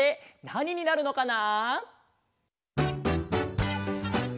なにになるのかな？